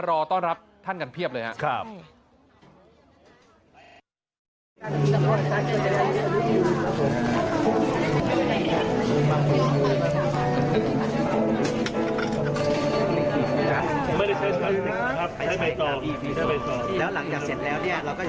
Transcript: รอต้อนรับท่านกันเพียบเลยครับ